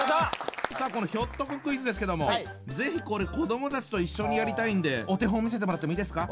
さあこのひょっとこクイズですけども是非これ子どもたちと一緒にやりたいんでお手本見せてもらってもいいですか？